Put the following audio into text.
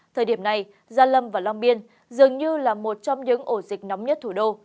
thời điểm này gia lâm và long biên dường như là một trong những ổ dịch nóng nhất thủ đô